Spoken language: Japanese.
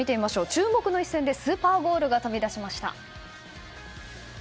注目の一戦でスーパーゴールが飛び出しました。